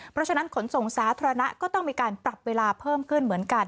เพราะฉะนั้นขนส่งสาธารณะก็ต้องมีการปรับเวลาเพิ่มขึ้นเหมือนกัน